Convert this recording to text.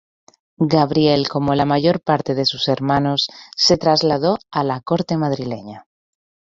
Gabriel, como la mayor parte de sus hermanos, se trasladó a la corte madrileña.